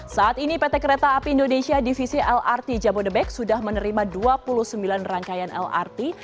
saat ini pt kereta api indonesia divisi lrt jabodebek sudah menerima dua puluh sembilan rangkaian lrt